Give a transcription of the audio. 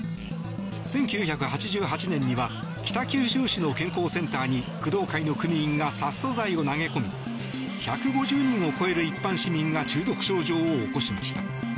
１９８８年には北九州市の健康センターに工藤会の組員が殺鼠剤を投げ込み１５０人を超える一般市民が中毒症状を起こしました。